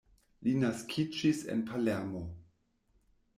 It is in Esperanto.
Li naskiĝis en Palermo.